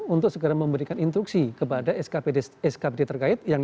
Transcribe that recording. untuk segera memberikan instruksi kepada skpd terkait